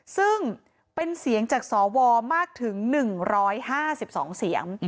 ซึ่งเป็นเสียงจากสวมากถึง๑๕๒เสียง